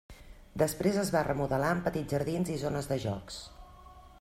Després es va remodelar amb petits jardins i zones de jocs.